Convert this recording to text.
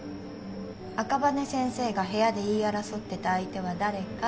「赤羽先生が部屋で言い争ってた相手は誰か？」